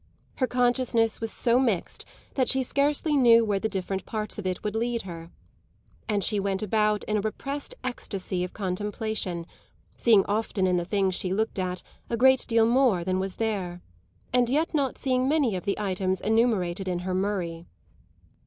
Her consciousness was so mixed that she scarcely knew where the different parts of it would lead her, and she went about in a repressed ecstasy of contemplation, seeing often in the things she looked at a great deal more than was there, and yet not seeing many of the items enumerated in her Murray.